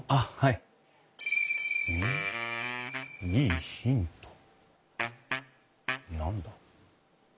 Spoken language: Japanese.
いいヒント何だ？